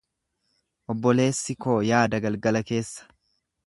Obboleessi koo yaada galgala keessa.